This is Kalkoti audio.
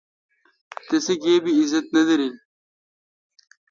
تسی گیب اعزت نہ دارل۔